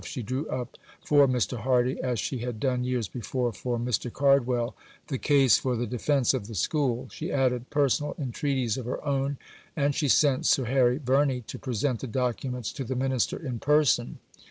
She drew up for Mr. Hardy, as she had done years before for Mr. Cardwell, the case for the defence of the School; she added personal entreaties of her own; and she sent Sir Harry Verney to present the documents to the minister in person.